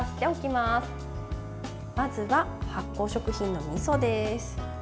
まずは発酵食品のみそです。